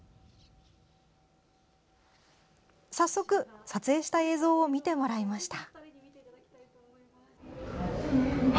早速、撮影した映像を見てもらいました。